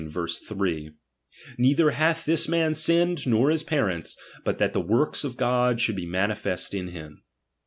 3) ; Neither hath this man sinned, 7ior his parents ; hut that the works of God should be manifest in him.